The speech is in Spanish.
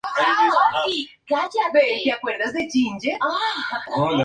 En la actualidad no existe resto alguno del monasterio.